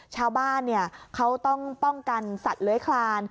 ชาวบ้านเขาต้องป้องกันสัตว์เลื้อยคลาน